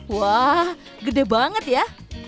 wah gede banget ya